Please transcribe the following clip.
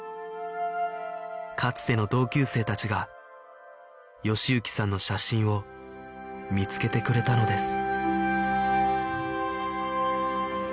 かつての同級生たちが喜之さんの写真を見つけてくれたのです